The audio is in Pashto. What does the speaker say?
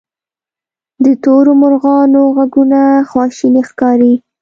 د تورو مرغانو ږغونه خواشیني ښکاري.